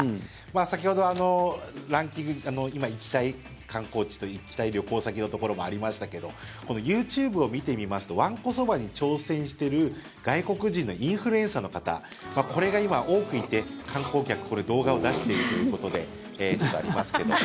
先ほどランキングで今行きたい観光地と行きたい旅行先のところもありましたけどＹｏｕＴｕｂｅを見てみますとわんこそばに挑戦している外国人のインフルエンサーの方これが今、多くいて観光客、これ動画を出しているということでちょっとありますけど。